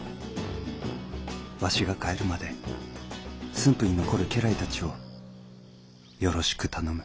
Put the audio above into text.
わしが帰るまで駿府に残る家来たちをよろしく頼む」。